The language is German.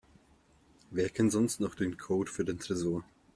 Wer kennt sonst noch den Code für den Tresor?